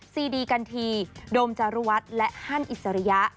ซีดีกันทีโดมจารุวัฒน์และฮันอิสริยะ